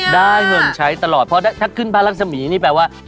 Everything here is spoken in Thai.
ได้เงินใช้ตลอดเพราะถ้าขึ้นบ้านรักษมีนี่แปลว่า